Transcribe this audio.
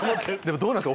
どうなんですか？